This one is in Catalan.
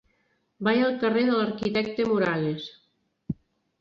Vaig al carrer de l'Arquitecte Moragas.